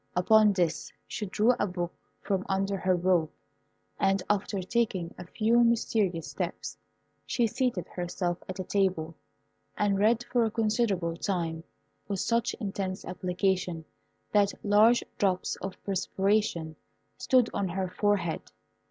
Upon this she drew a book from under her robe, and after taking a few mysterious steps, she seated herself at a table, and read for a considerable time with such intense application that large drops of perspiration stood on her forehead.